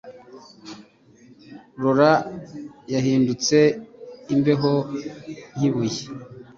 Laura yahindutse imbeho nkibuye